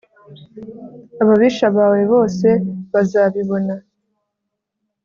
ababisha bawe bose bazabibona